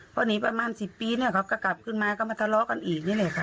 พอหนีประมาณ๑๐ปีเนี่ยเขาก็กลับขึ้นมาก็มาทะเลาะกันอีกนี่แหละค่ะ